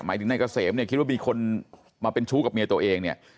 หมายถึงนายเกษมเนี่ยคิดว่ามีคนมาเป็นชู้กับเมียตัวเองเนี่ย